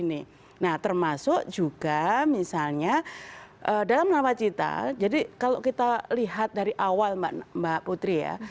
nah termasuk juga misalnya dalam nawacita jadi kalau kita lihat dari awal mbak putri ya